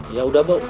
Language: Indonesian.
ya sudah bu